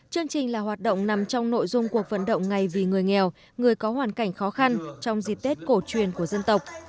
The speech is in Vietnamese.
chương trình là hoạt động nằm trong nội dung cuộc vận động ngày vì người nghèo người có hoàn cảnh khó khăn trong dịp tết cổ truyền của dân tộc